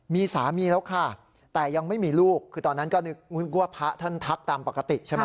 มีสามีแล้วค่ะแต่ยังไม่มีลูกคือตอนนั้นก็นึกว่าพระท่านทักตามปกติใช่ไหม